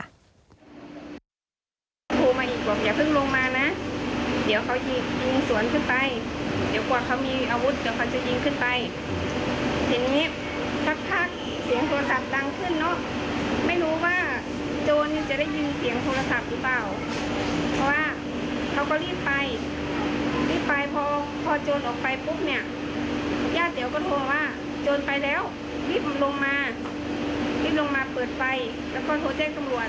รีบลงมาเปิดไปแล้วก็โทรเจ้งสำรวจ